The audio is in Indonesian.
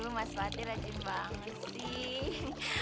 aduh mas fatir rajin banget sih